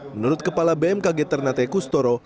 menurut kepala bmkg ternate kustoro